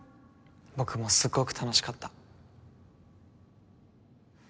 僕もすっごく楽しかった。